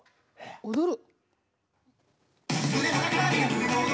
踊る？